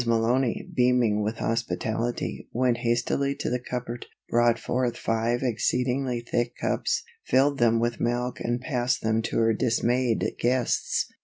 Malony, beaming with hospitality, went hastily to the cupboard, brought forth five exceedingly thick cups, filled them with milk and passed them to her dismayed guests.